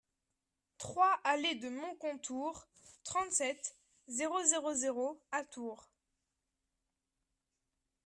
trois allée de Moncontour, trente-sept, zéro zéro zéro à Tours